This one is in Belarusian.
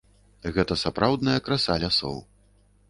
Гэта сапраўдная краса лясоў.